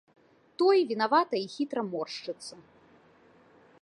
Той вінавата і хітра моршчыцца.